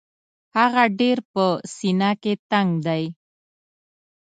هغه ډېر په سینه کې تنګ دی.